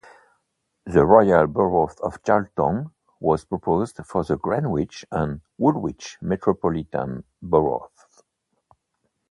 The 'Royal Borough of Charlton' was proposed for the Greenwich and Woolwich metropolitan boroughs.